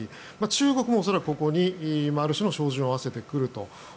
中国も恐らく、ここにある種の照準を合わせてくると。